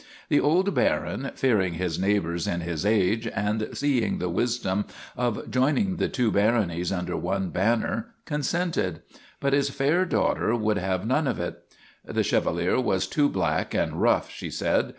The old Baron, fearing his neighbors in his age, and seeing the wis dom of joining the two baronies under one banner, consented; but his fair daughter would have none of it. The Chevalier was too black and rough, she said.